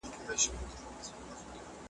د کتاب لوستل انسان ته د نويو مفکورو دروازې .